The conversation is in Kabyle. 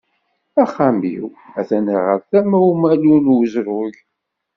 Axxam-iw at-an ɣer tama umalu n uzrug.